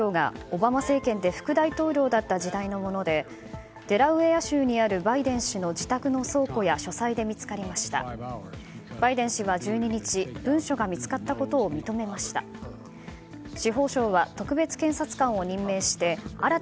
バイデン氏は１２日文書が見つかったことを認めました。